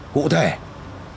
cụ thể thứ nhất là